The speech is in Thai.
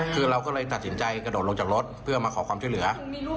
คือเราก็เลยตัดสินใจกระโดดลงจากรถเพื่อมาขอความช่วยเหลือ